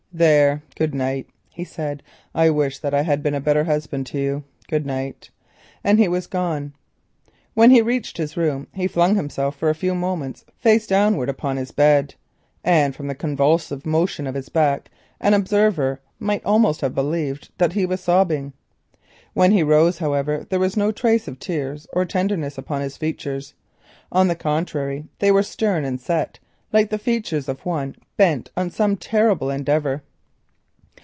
"There, good night," he said; "I wish that I had been a better husband to you. Good night," and he was gone. When he reached his room he flung himself for a few moments face downwards upon the bed, and from the convulsive motion of his back an observer might almost have believed that he was sobbing. When he rose, there was no trace of tears or tenderness upon his features. On the contrary, they were stern and set, like the features of one bent upon some terrible endeavour.